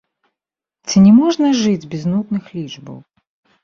Ці не можна жыць без нудных лічбаў?